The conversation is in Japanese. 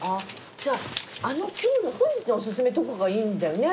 じゃああの本日のお薦めとかがいいんだよね。